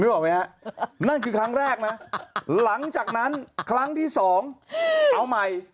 ออกไหมฮะนั่นคือครั้งแรกนะหลังจากนั้นครั้งที่สองเอาใหม่